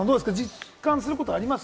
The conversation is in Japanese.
実感することあります？